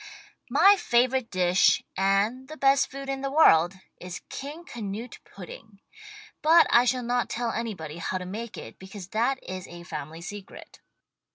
My favorite dish, and the best food in the world, is King Canute Pudding, but I shall not tell anybody how to make it, because that is a family secret.